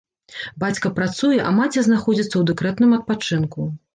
Бацька працуе, а маці знаходзіцца ў дэкрэтным адпачынку.